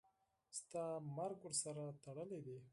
ستا مرګ ورسره تړلی دی.